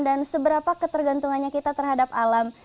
dan seberapa ketergantungannya kita terhadap alam